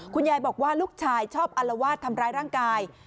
คุณยายบอกว่าลูกชายชอบอลวาดทำร้ายร่างกาย